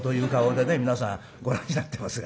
皆さんご覧になってますがね